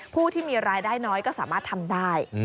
ผู้ที่มีรายได้น้อยก็สามารถทำได้